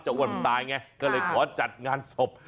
อ้วนตายไงก็เลยขอจัดงานศพ